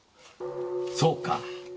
そうか。